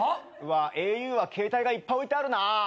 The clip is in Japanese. ａｕは携帯がいっぱい置いてあるなぁ。